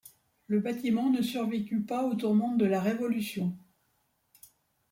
Le bâtiment ne survécut pas aux tourmentes de la Révolution.